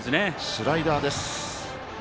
スライダーです。